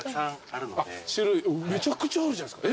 めちゃくちゃあるじゃないですか。